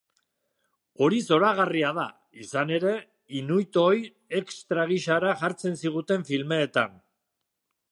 Hori zoragarria da, izan ere, inuitoi extra gisara jartzen ziguten filmeetan.